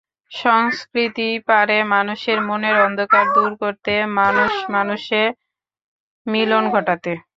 সংস্কৃতিই পারে মানুষের মনের অন্ধকার দূর করতে, মানুষে মানুষে মিলন ঘটাতে।